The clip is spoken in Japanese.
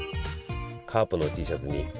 カープのＴシャツに。